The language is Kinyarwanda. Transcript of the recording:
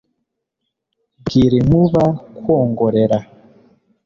bwira inkuba-kwongorera